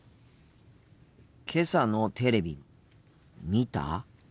けさのテレビ見た？